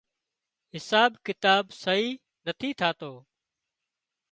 حساب ڪتاب سئي نٿي ٿاتو